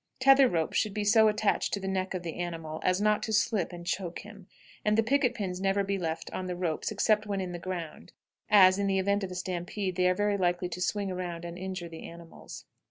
Tether ropes should be so attached to the neck of the animal as not to slip and choke him, and the picket pins never be left on the ropes except when in the ground, as, in the event of a stampede, they are very likely to swing around and injure the animals.